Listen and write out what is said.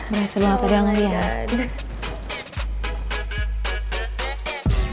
udah selesai aja ngeliat